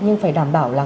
nhưng phải đảm bảo là